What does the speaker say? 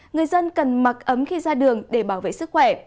người dân cần mặc ấm khi ra đường để bảo vệ sức khỏe